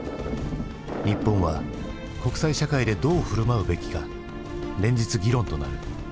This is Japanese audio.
日本は国際社会でどう振る舞うべきか連日議論となる。